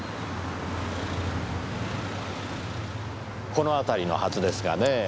この辺りのはずですがねぇ。